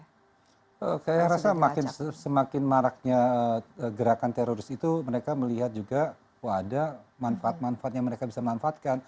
saya rasa semakin maraknya gerakan teroris itu mereka melihat juga ada manfaat manfaat yang mereka bisa manfaatkan